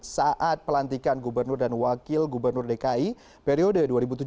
saat pelantikan gubernur dan wakil gubernur dki periode dua ribu tujuh belas dua ribu dua